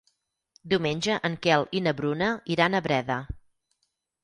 Diumenge en Quel i na Bruna iran a Breda.